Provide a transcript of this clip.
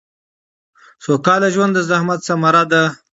سوکاله ژوند د زحمت ثمره ده